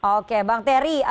oke bang terry